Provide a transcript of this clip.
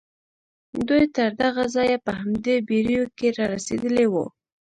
دوی تر دغه ځايه په همدې بېړيو کې را رسېدلي وو.